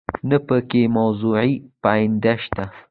نه په کې موضوعي پابندي شته.